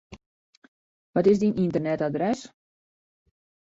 Wat is dyn ynternetadres?